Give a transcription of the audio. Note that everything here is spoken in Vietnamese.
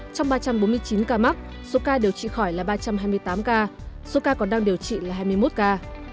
trong ba trăm bốn mươi chín ca mắc số ca điều trị khỏi là ba trăm hai mươi tám ca số ca còn đang điều trị là hai mươi một ca